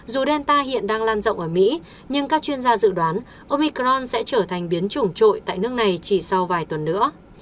dù delta hiện đang lan rộng ở mỹ nhưng các chuyên gia dự đoán omicron sẽ trở thành biến chủng trội tại nước này chỉ sau vài tuần nữa